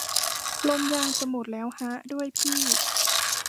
ลมยางจะหมดแล้วฮะด้วยพี่